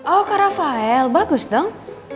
oh ke rafael bagus dong